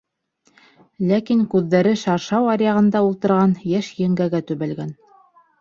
Ләкин күҙҙәре шаршау аръяғында ултырған йәш еңгәгә төбәлгән.